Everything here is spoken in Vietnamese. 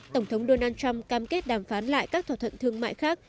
tổng thống donald trump cam kết đàm phán lại các thỏa thuận thương mại khác